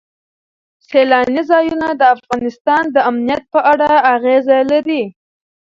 سیلاني ځایونه د افغانستان د امنیت په اړه اغېز لري.